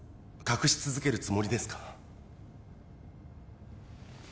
隠し続けるつもりですか？